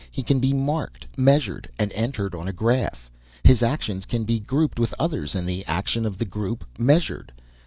He can be marked, measured and entered on a graph. His actions can be grouped with others and the action of the group measured.